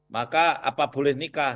maka apa boleh nikah